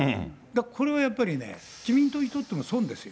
これはやっぱりね、自民党にとっても損ですよ。